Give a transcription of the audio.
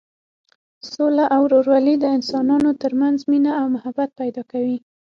سوله او ورورولي د انسانانو تر منځ مینه او محبت پیدا کوي.